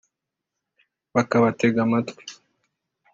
bakabatega amatwi